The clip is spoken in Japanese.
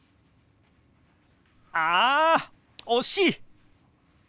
あ惜しい！